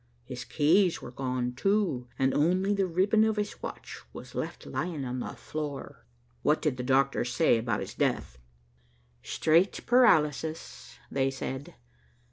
His keys were gone, too, and only the ribbon of his watch was left lying on the floor." "What did the doctors say about his death?" "Straight paralysis, they said.